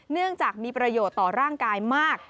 เนื่องจากมีประโยชน์ต่อร่างกายมาก